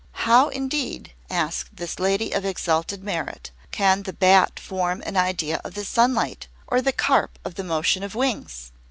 "How, indeed," asked this lady of exalted merit, "can the bat form an idea of the sunlight, or the carp of the motion of wings?